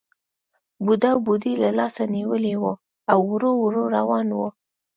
بوډا بوډۍ له لاسه نیولې وه او ورو ورو روان وو